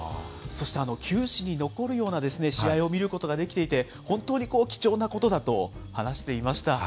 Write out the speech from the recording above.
そして球史に残るような試合を見ることができていて、本当に貴重なことだと話していました。